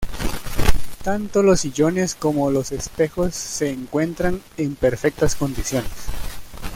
Tanto los sillones como los espejos se encuentran en perfectas condiciones.